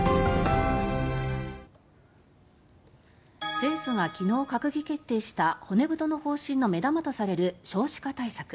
政府が昨日閣議決定した骨太の方針の目玉とされる少子化対策。